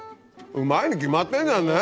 うまいに決まってんじゃんね。